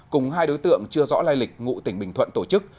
cùng hai đối tượng chưa rõ lai lịch ngụ tỉnh bình thuận tổ chức